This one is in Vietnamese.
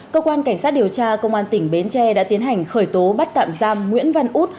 cơ quan cảnh sát điều tra công an tỉnh bến tre đã tiến hành khởi tố bắt tạm giam nguyễn văn út